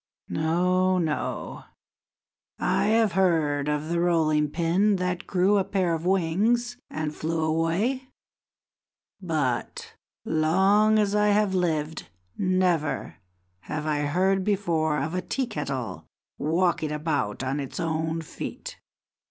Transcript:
No, no, I have heard of the rolling pin that grew a pair of wings and flew away, but, long as I have lived, never have I heard before of a tea kettle walking about on its own feet.